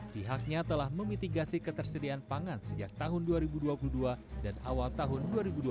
pihaknya telah memitigasi ketersediaan pangan sejak tahun dua ribu dua puluh dua dan awal tahun dua ribu dua puluh